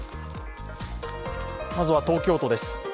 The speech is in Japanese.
まずは東京都です。